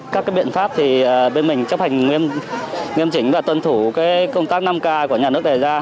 các biện pháp thì bên mình chấp hành nghiêm chỉnh và tuân thủ công tác năm k của nhà nước đề ra